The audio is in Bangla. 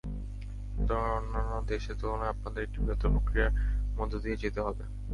সুতরাং, অন্যান্য দেশের তুলনায় আপনাদের একটি বৃহত্তর প্রক্রিয়ার মধ্য দিয়ে যেতে হবে।